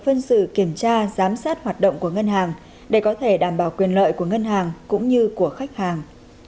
phân xử kiểm tra giám sát hoạt động của ngân hàng để có thể đảm bảo quyền lợi của ngân hàng cũng như của khách hàng